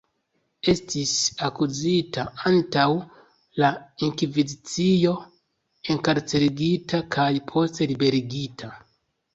Estis akuzita antaŭ la Inkvizicio, enkarcerigita kaj poste liberigita.